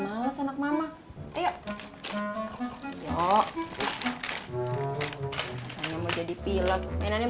asal anak mama aku mau jadi pilot